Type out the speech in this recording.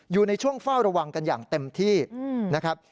อยู่ในช่วงเฝ้าระวังกันอย่างเต็มที่นะครับ